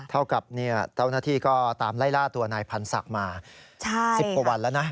เท่ากับเจ้าหน้าที่ก็ตามไล่ล่าตัวนายพันธ์ศักดิ์มา๑๐กว่าวันแล้วนะ